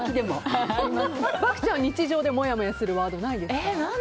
漠ちゃん、日常でもやもやするワードないですか？